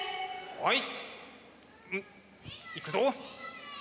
はい。